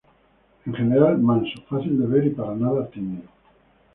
En general manso, fácil de ver y para nada tímido.